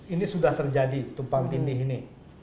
ini sudah terjadi tumpang tindih ini